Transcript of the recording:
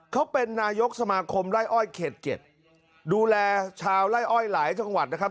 เขาเป็นนายกสมาคมไล่อ้อยเขต๗ดูแลชาวไล่อ้อยหลายจังหวัดนะครับ